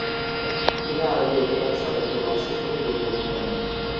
তিনি আরবীয় ঘোড়ার স্বতন্ত্র বৈশিষ্ট্যকে গুরুত্ব দিতেন।